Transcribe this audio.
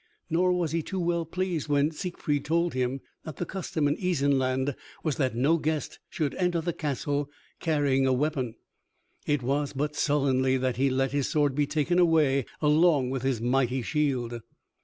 Nor was he too well pleased when Siegfried told him that the custom in Isenland was that no guest should enter the castle carrying a weapon. It was but sullenly that he let his sword be taken away along with his mighty shield.